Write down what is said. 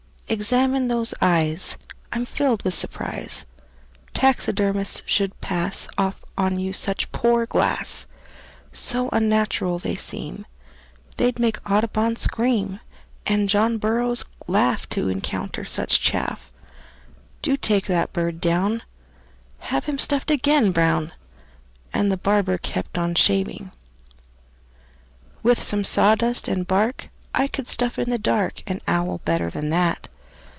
"Examine those eyes. I'm filled with surprise Taxidermists should pass Off on you such poor glass; So unnatural they seem They'd make Audubon scream, And John Burroughs laugh To encounter such chaff. Do take that bird down; Have him stuffed again, Brown!" And the barber kept on shaving. "With some sawdust and bark I could stuff in the dark An owl better than that.